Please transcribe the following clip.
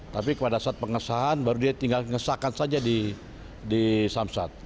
tapi pada saat pengesahan baru dia tinggal ngesahkan saja di samsat